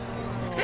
え？